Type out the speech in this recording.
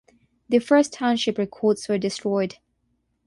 The first township records were destroyed.